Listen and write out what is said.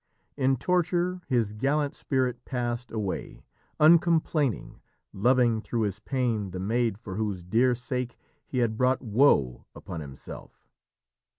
In torture his gallant spirit passed away, uncomplaining, loving through his pain the maid for whose dear sake he had brought woe upon himself.